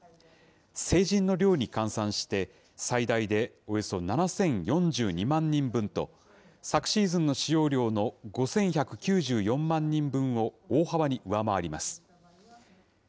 成人の量に換算して、最大でおよそ７０４２万人分と、昨シーズンの使用量の５１９４万人分を大幅に上回ります。